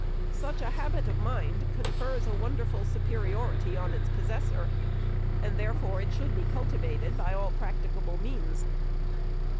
Such a habit of mind confers a wonder ful superiority on its possessor ; and therefore it should be cultivated by all practicable means.